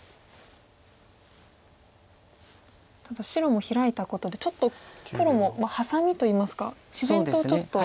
ただ白もヒラいたことで黒もハサミといいますか自然とちょっと。